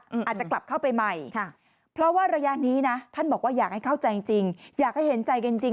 อาจจะกลับเข้าไปใหม่ค่ะเพราะว่าระยะนี้นะท่านบอกว่าอยากให้เข้าใจจริง